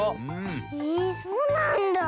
へえそうなんだ。